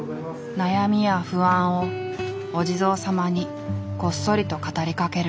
悩みや不安をお地蔵さまにこっそりと語りかける。